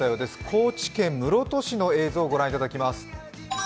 高知県室戸市の映像、御覧いただきます。